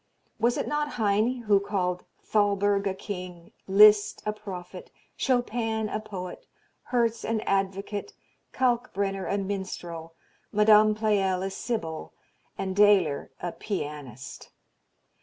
Was it not Heine who called "Thalberg a king, Liszt a prophet, Chopin a poet, Herz an advocate, Kalkbrenner a minstrel, Madame Pleyel a sibyl, and Doehler a pianist"?